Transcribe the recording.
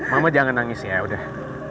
mama jangan nangis ya udah